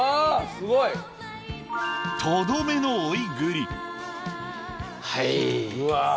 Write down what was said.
すごいとどめの追い栗はいうわ